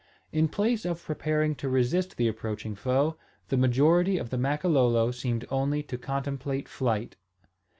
In place of preparing to resist the approaching foe, a majority of the Makololo seemed only to contemplate flight.